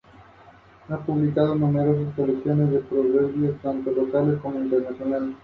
Se decía que este lugar inspiró a Lennon a ser músico.